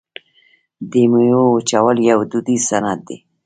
د میوو وچول یو دودیز صنعت دی.